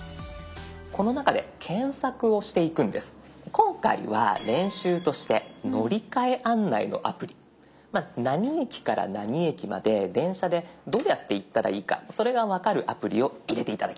今回は練習として乗り換え案内のアプリ何駅から何駅まで電車でどうやって行ったらいいかそれが分かるアプリを入れて頂きます。